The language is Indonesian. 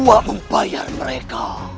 aku membayar mereka